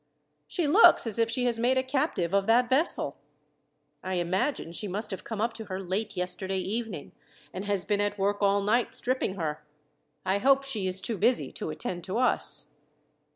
She looks as if she has made a captive of that vessel. I imagine she must have come up to her late yesterday evening, and has been at work all night stripping her. I hope she is too busy to attend to us."